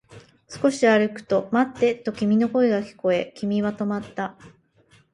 少し歩くと、待ってと君の声が聞こえ、君は止まった